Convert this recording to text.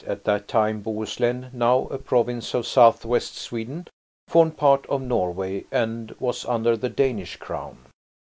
At that time, Bohuslen, now a province of southwest Sweden, formed part of Norway and was under the Danish Crown.